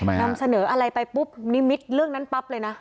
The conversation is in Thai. นำเสนออะไรไปปุ๊บนิมิตเรื่องนั้นปั๊บเลยนะ